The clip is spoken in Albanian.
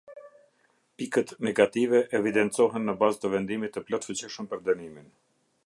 Pikët negative evidencohen në bazë të vendimit të plotfuqishëm për dënimin.